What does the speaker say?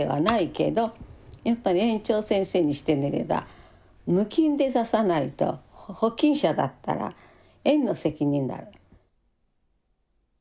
やっぱり園長先生にしてみれば無菌で出さないと保菌者だったら園の責任になる。